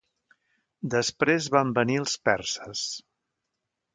Després van venir els perses.